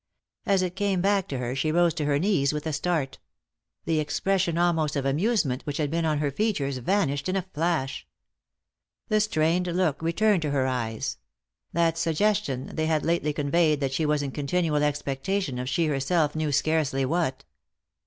As it came back to her she rose to her knees with a start; the expression almost of amusement which had been upon her features vanished in a flash. The strained look returned to her 93 3i 9 iii^d by Google THE INTERRUPTED KISS eyes ; that suggestion they had lately conveyed that she was in continual expectation of she herself knew scarcely what.